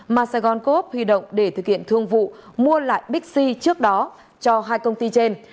mà sài gòn coop huy động để thực hiện thương vụ mua lại bixi trước đó cho hai công ty trên